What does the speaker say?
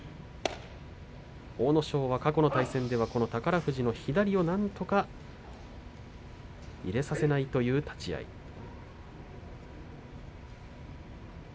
阿武咲は過去の対戦ではこの宝富士の左をなんとか入れさせないという立ち合いです。